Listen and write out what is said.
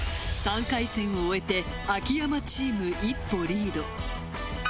３回戦を終えて秋山チーム１歩リード。